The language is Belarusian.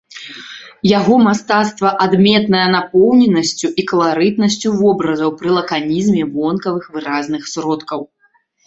Яго мастацтва адметнае напоўненасцю і каларытнасцю вобразаў пры лаканізме вонкавых выразных сродкаў.